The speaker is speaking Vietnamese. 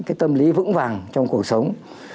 cái tâm lý vững vàng trong cuộc sống